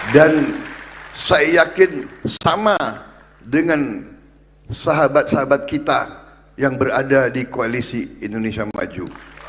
dan saya yakin sama dengan sahabat sahabat kita yang berada di koalisi indonesia maju